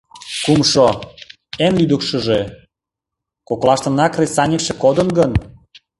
Кумшо, эн лӱдыкшыжӧ: коклаштына кресаньыкше кодын гын?